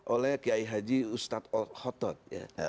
oleh qiyai haji ustadz al khattad